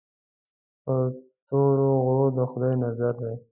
پر تورو غرو د خدای نظر دی.